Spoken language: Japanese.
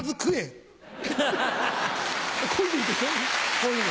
そういうの。